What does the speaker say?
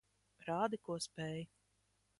Rādi, ko spēj.